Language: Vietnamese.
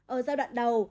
ở giai đoạn đầu